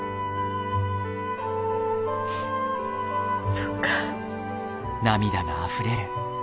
そっか。